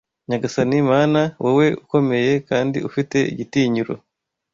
Nyagasani Mana, wowe ukomeye kandi ufite igitinyiro